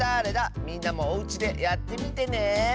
みんなもおうちでやってみてね！